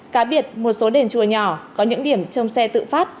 cá biệt một số đền chùa nhỏ có những điểm trong xe tự phát